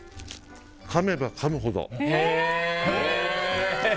かめばかむほど。